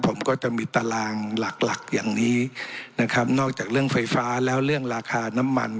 ผมก็จะมีตารางหลักหลักอย่างนี้นะครับนอกจากเรื่องไฟฟ้าแล้วเรื่องราคาน้ำมัน